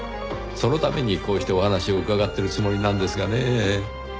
そのためにこうしてお話を伺ってるつもりなんですがねぇ。